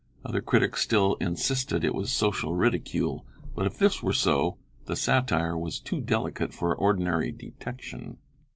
Other critics still insisted it was social ridicule: but if this were so, the satire was too delicate for ordinary detection.